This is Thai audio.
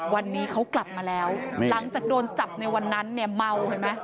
วันนี้เขากลับมาแล้วหลังจากโดนจับในวันนั้นเนี่ยเมาเห็นไหม